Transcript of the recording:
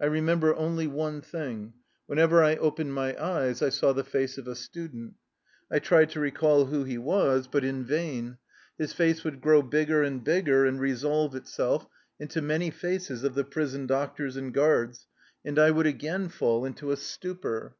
I re member only one thing: whenever I opened my eyes, I saw the face of a student. I tried to recall who he was, but in vain. His face would grow bigger and bigger and resolve itself into many faces of the prison doctors and guards, and I would again fall into a stupor.